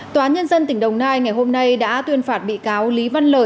tòa nhân dân tỉnh đồng nai ngày hôm nay đã tuyên phạt bị cáo lý văn lợi